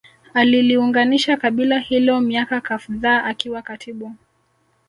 aliliunganisha kabila hilo miaka kafdhaa akiwa katibu